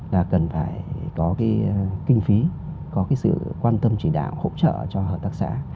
là cần phải có cái kinh phí có cái sự quan tâm chỉ đạo hỗ trợ cho hợp tác xã